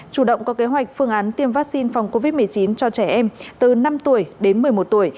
chủ động có kế hoạch phương án tiêm vaccine phòng covid một mươi chín cho trẻ em từ năm tuổi đến một mươi một tuổi